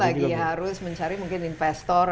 belum lagi ya harus mencari investor